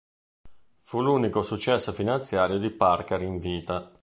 Fu l'unico successo finanziario di Parker in vita.